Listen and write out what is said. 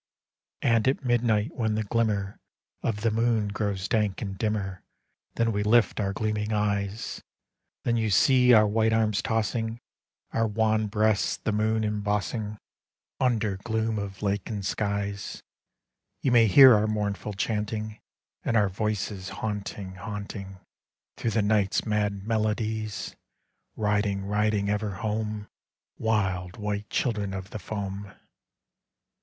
And at midnight, when the glimmer Of the moon grows dank and dimmer, Then we lift our gleaming eyes; Then you see our white arms tossing, Our wan breasts the moon embossing, Under gloom of lake and skies; You may hear our mournful chanting, And our voices haunting, haunting, Through the night's mad melodies; Riding, riding, ever home, Wild, white children of the foam.